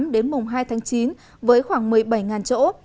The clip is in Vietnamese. đến mùng hai tháng chín với khoảng một mươi bảy chỗ